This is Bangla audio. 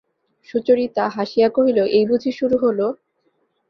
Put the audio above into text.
সুচরিতা হাসিয়া কহিল, এই বুঝি শুরু হল!